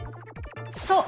そう！